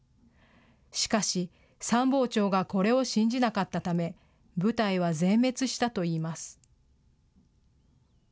しかし、参謀長がこれを信じなかったため、部隊は全滅したといいます。